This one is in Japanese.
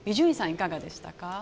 いかがでしたか？